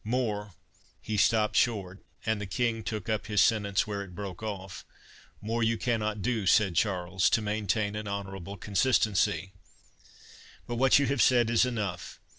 More"—He stopped short, and the King took up his sentence where it broke off—"More you cannot do," said Charles, "to maintain an honourable consistency—but what you have said is enough.